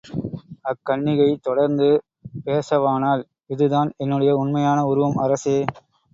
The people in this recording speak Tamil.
அக்கன்னிகை தொடர்ந்து பேசவானாள் இதுதான் என்னுடைய உண்மையான உருவம் அரசே!